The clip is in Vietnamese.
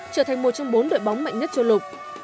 trở thành một trong bốn đội bóng mạnh nhất châu lục